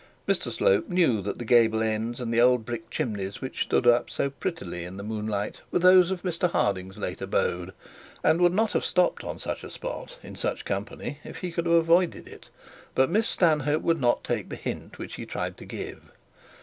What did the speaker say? Mr Slope knew that the gable ends and old brick chimneys which stood up so prettily in the moonlight, were those of Mr Harding's late abode, and would not have stopped on such a spot, in such company, if he could have avoided it; but Miss Stanhope would not take the hint which he tried to give.